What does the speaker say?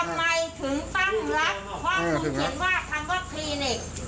เครื่องมือคาดคุณครบไหม